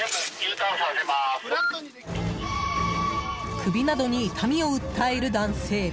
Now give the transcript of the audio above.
首などに痛みを訴える男性。